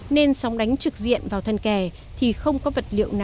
nên sóng đánh trực diện vào thân kè thì không có vật liệu nào chịu nổi